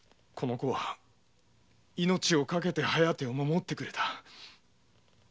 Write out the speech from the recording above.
この子は命を賭けて「疾風」を守ってくれた。